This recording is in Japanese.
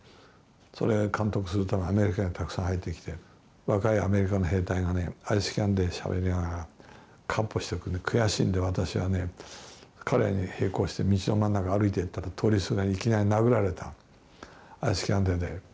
それを監督するためアメリカ兵がたくさん入ってきて若いアメリカの兵隊がアイスキャンデーしゃぶりながらかっ歩していくんで悔しいんで私は彼らに並行して道の真ん中歩いていったら通りすがりにいきなり殴られたアイスキャンデーで。